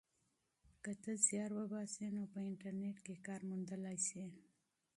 که ته زیار وباسې نو په انټرنیټ کې کار موندلی سې.